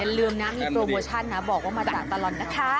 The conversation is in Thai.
ลืมนะมีโปรโมชั่นนะบอกว่ามาจากตลอดนะคะ